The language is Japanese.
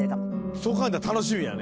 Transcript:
そう考えたら楽しみやね。